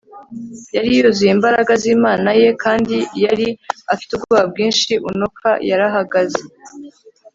yari yuzuye imbaraga z'imana ye, kandi yari afite ubwoba bwinshi. unoka yarahagaze